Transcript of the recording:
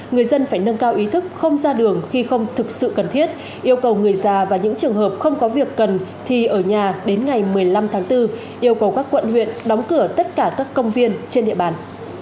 người dân phải nâng cao ý thức không ra đường khi không thực sự cần thiết yêu cầu người già và những trường hợp không có việc cần thì ở nhà đến ngày một mươi năm tháng bốn yêu cầu các quận huyện đóng cửa tất cả các công viên trên địa bàn